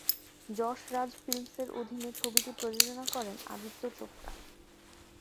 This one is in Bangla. যশ রাজ ফিল্মসের অধীনে ছবিটি প্রযোজনা করেন আদিত্য চোপড়া।